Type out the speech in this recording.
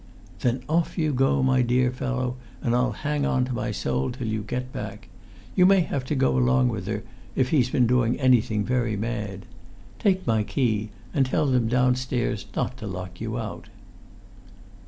"Then off you go, my dear fellow, and I'll hang on to my soul till you get back. You may have to go along with her, if he's been doing anything very mad. Take my key, and tell them downstairs not to lock you out."